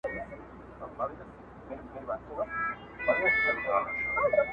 نه ټیټېږي بې احده پښتون سر دقاسمیاردی,